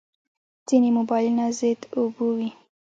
ځینې موبایلونه ضد اوبو وي.